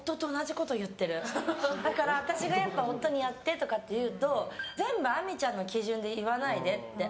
私が夫にやってとかって言うと全部亜美ちゃんの基準で言わないでって。